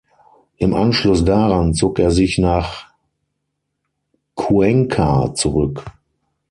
Im Anschluss daran zog er sich nach Cuenca zurück.